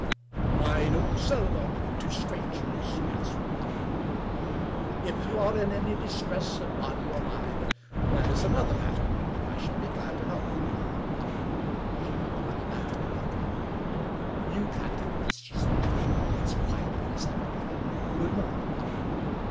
" I don't sell laudanum to strangers," he answered. 238 WUkie Collins '* If you are in any distress of body or mind, that is an other matter. I shall be glad to help you." She put the money back in her pocket. " You can't help me," she said, as quietly as ever. " Good morning."